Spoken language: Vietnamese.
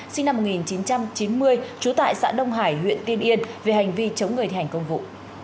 sinh năm một nghìn chín trăm chín mươi trú tại xã đông hải huyện tiên yên về hành vi chống người thi hành công vụ